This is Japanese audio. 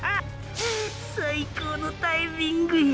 最高のタイミングや！！